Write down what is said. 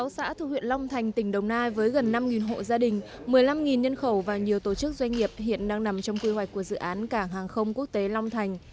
sáu xã thuộc huyện long thành tỉnh đồng nai với gần năm hộ gia đình một mươi năm nhân khẩu và nhiều tổ chức doanh nghiệp hiện đang nằm trong quy hoạch của dự án cảng hàng không quốc tế long thành